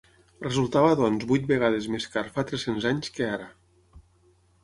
Resultava doncs vuit vegades més car fa tres-cents anys que ara.